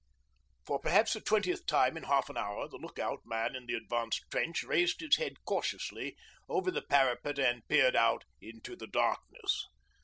_' For perhaps the twentieth time in half an hour the look out man in the advanced trench raised his head cautiously over the parapet and peered out into the darkness.